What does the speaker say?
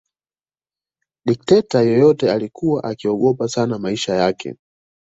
Dikteta yeyote alikuwa akiogopa sana maisha yake